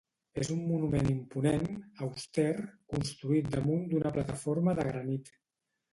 És un monument imponent, auster, construït damunt d'una plataforma de granit.